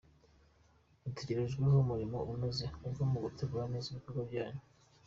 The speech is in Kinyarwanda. Mutegerejweho umurimo unoze uva mu gutegura neza ibikorwa byanyu.